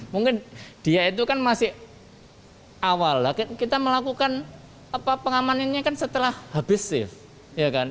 mungkin dia itu kan masih awal kita melakukan pengamanannya setelah habis shift